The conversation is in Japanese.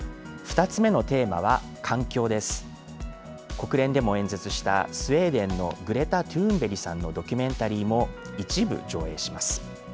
国連でも演説したスウェーデンのグレタ・トゥーンベリさんのドキュメンタリーも一部上映します。